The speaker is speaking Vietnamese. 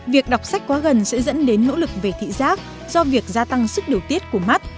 việc đọc sách quá gần sẽ dẫn đến nỗ lực về thị giác do việc gia tăng sức điều tiết của mắt